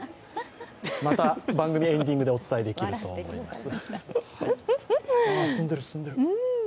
また番組エンディングでお伝えできると思います。